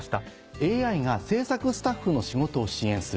ＡＩが制作スタッフの仕事を支援する。